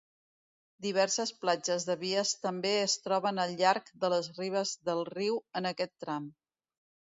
Diverses platges de vies també es troben al llarg de les ribes del riu en aquest tram.